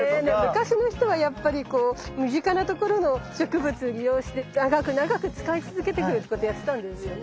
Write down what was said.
昔の人はやっぱり身近なところの植物利用して長く長く使い続けていくことをやってたんですよね。